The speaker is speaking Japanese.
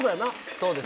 「そうです」